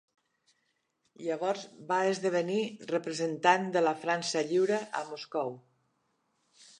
Llavors va esdevenir representant de la França Lliure a Moscou.